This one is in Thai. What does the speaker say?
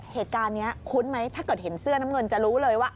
เหตุการณ์นี้คุ้นไหมถ้าเกิดเห็นเสื้อน้ำเงินจะรู้เลยว่า